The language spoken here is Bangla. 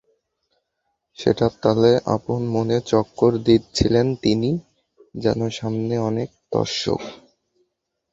সেটার তালে আপন মনে চক্কর দিচ্ছিলেন তিনি, যেন সামনে অনেক দর্শক।